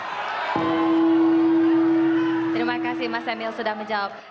terima kasih mas emil sudah menjawab